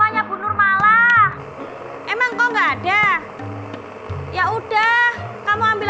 halo halo mahalo mah mama di rumahnya bunur malah emang kau nggak ada ya udah kamu ambil